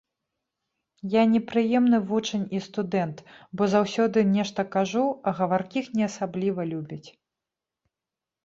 Я непрыемны вучань і студэнт, бо заўсёды нешта кажу, а гаваркіх не асабліва любяць.